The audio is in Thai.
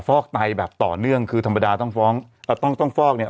ฟอกไตแบบต่อเนื่องคือธรรมดาต้องฟ้องอ่าต้องต้องฟอกเนี่ย